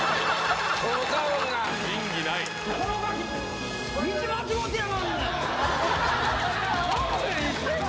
このガキ、道、間違ってやがる。